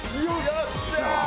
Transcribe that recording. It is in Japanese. よっしゃ！